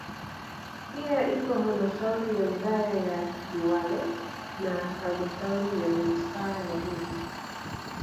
Pia ipo halmashauri ya wilaya ya Liwale na halmashauri ya manispaa ya Lindi